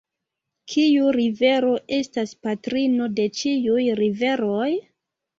Kiu rivero estas patrino de ĉiuj riveroj?